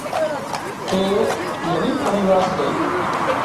ڪي ايڪ ڳريٻ پريوار سي